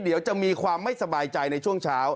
เดี๋ยวจะมีความไม่สบายใจในช่วงเช้า